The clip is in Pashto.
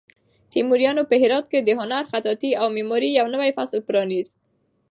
تیموریانو په هرات کې د هنر، خطاطۍ او معمارۍ یو نوی فصل پرانیست.